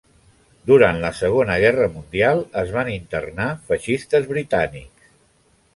Durant la Segona Guerra Mundial, es van internar feixistes britànics.